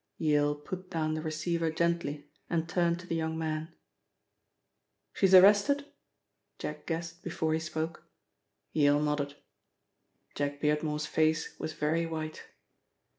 Yale put down the receiver gently and turned to the young man, "She's arrested?" Jack guessed before he spoke. Yale nodded. Jack Beardmore's face was very white.